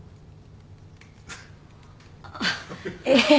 あっえー